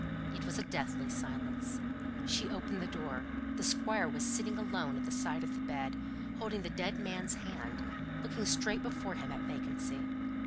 It was a deathly silence. She opened the door: the Squire was sitting alone at the side of the bed, holding the dead man's hand, and looking straight before him at vacancy.